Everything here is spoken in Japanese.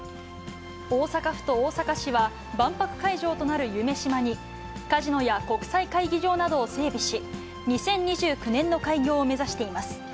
大阪府と大阪市は、万博会場となる夢洲に、カジノや国際会議場などを整備し、２０２９年の開業を目指しています。